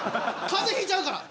風邪ひいちゃうから。